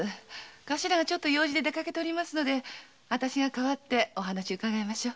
頭が用事で出かけていますので私が代わってお話伺いましょう。